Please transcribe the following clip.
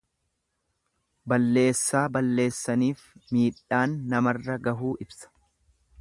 Balleessaa balleessaniif miidhaan namarra gahuu ibsa.